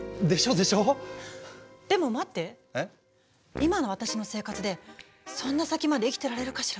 今の私の生活でそんな先まで生きてられるかしら？